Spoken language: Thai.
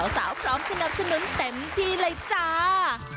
พร้อมสนับสนุนเต็มที่เลยจ้า